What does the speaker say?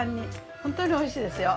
本当においしいですよ。